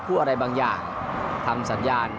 อะไรบางอย่างทำสัญญาณ